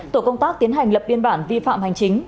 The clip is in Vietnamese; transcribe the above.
tổ công tác tiến hành lập biên bản vi phạm hành chính